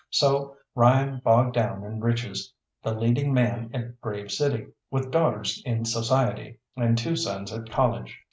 So Ryan bogged down in riches, the leading man at Grave City, with daughters in society, and two sons at college.